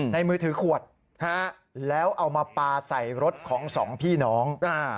มือถือขวดแล้วเอามาปลาใส่รถของสองพี่น้อง